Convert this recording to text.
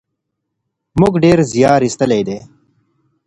موږ ډېر زیار ایستلی دی.